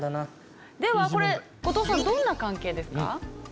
ではこれ後藤さんどんな関係ですか？